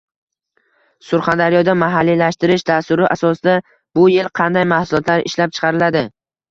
Surxondaryoda mahalliylashtirish dasturi asosida bu yil qanday mahsulotlar ishlab chiqariladi?